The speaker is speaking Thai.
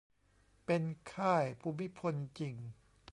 เป็น "ค่ายภูมิพล" จริง